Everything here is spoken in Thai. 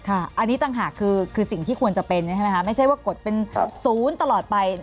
อันนี้ต่างหากคือสิ่งที่ควรจะเป็นใช่ไหมคะไม่ใช่ว่ากดเป็นศูนย์ตลอดไป